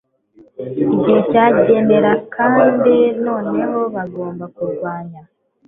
igihe cyanyerera kandi noneho bagomba kurwanya